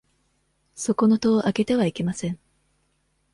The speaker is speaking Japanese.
そこの戸を開けてはいけません。